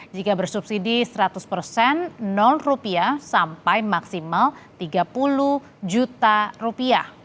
jika bersubsidi seratus non rupiah sampai maksimal rp tiga puluh